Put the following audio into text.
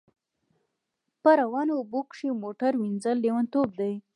په روانو اوبو کښی موټر وینځل لیونتوب دی